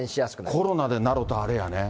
コロナでなると、あれやね。